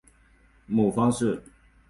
母方氏。